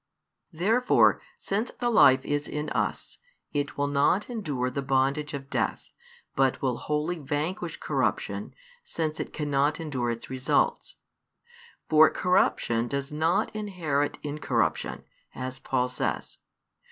Therefore, since the life is in us, it will not endure the bondage of death, but will wholly vanquish corruption, since it cannot endure its results. For corruption does not inherit incorruption, as Paul says.